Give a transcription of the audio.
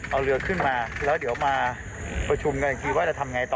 เอาเรือขึ้นมาแล้วเดี๋ยวมาประชุมกันอีกทีว่าจะทำไงต่อ